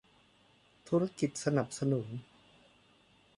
ธุรกิจสนับสนุน